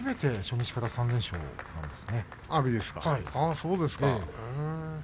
そうですか。